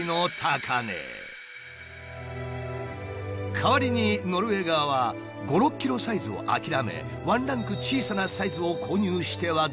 代わりにノルウェー側は５６ｋｇサイズを諦め１ランク小さなサイズを購入してはどうかと提案してきた。